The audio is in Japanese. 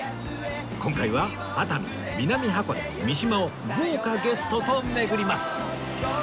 今回は熱海南箱根三島を豪華ゲストと巡ります